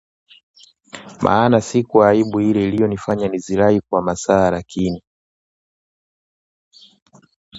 maana si kwa aibu ile iliyonifanya nizirai kwa masaa lakini